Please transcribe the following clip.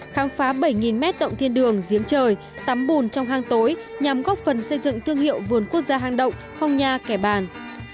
khám phá bảy mét động thiên đường giếng trời tắm bùn trong hang tối nhằm góp phần xây dựng thương hiệu vườn quốc gia hang động phong nha kẻ bàng